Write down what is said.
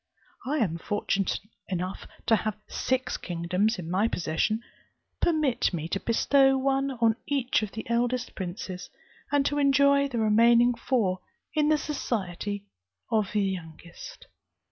I am fortunate enough to have six kingdoms in my possession; permit me to bestow one on each of the eldest princes, and to enjoy the remaining four in the society of the youngest.